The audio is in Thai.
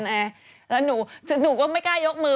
แล้วหนูก็ไม่กล้ายกมือ